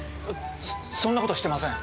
そそんな事してません。